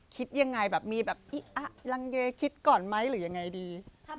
คิดยังไงแบบมีแบบพี่อะลังเยคิดก่อนไหมหรือยังไงดี